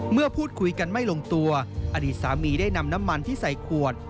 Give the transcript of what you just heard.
พูดคุยกันไม่ลงตัวอดีตสามีได้นำน้ำมันที่ใส่ขวด